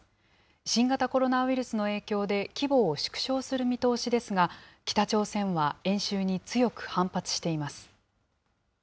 新型コロナウイルスの影響で規模を縮小する見通しですが、北朝鮮は演習に強く反発しています。